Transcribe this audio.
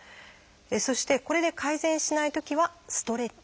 そしてこれで改善しないときは「ストレッチ」。